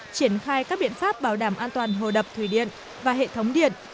triển khai các biện pháp bảo đảm an toàn hồ đập thủy điện và hệ thống điện